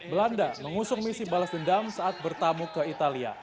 belanda mengusung misi balas dendam saat bertamu ke italia